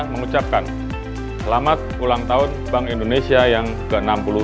mengucapkan selamat ulang tahun bank indonesia yang ke enam puluh tujuh